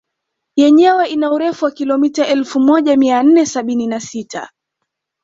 Yenyewe ina urefu wa kilomita elfu moja mia nne sabini na sita